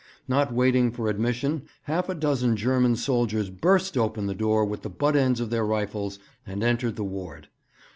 Not waiting for admission, half a dozen German soldiers burst open the door with the butt ends of their rifles and entered the ward.